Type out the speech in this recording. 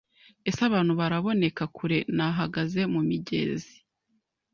Ese abantu baraboneka kure Nahagaze mumigezi